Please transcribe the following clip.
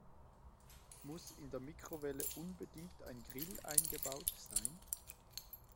Muss in der Mikrowelle unbedingt ein Grill eingebaut sein?